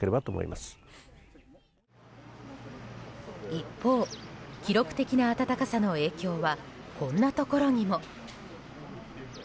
一方、記録的な暖かさの影響はこんなところにも。